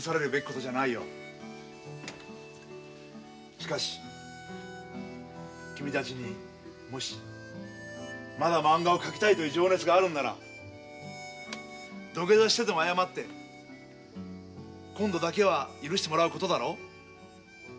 しかし君たちにもしまだまんがを描きたいという情熱があるんなら土下座してでも謝って今度だけは許してもらうことだろう。